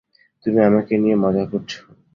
তুমি আমাকে নিয়ে মজা করছো?